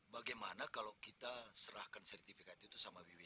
bagaimana kalau kita serahkan sertifikat itu sama bw